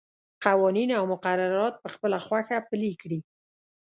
قوانین او مقررات په خپله خوښه پلي کړي.